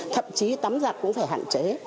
thậm chí tắm giặt cũng phải hạn chế